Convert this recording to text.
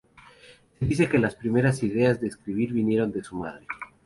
Se dice que las primeras ideas de escribir vinieron de su madre.